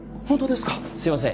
すみません